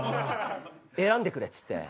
選んでくれっつって。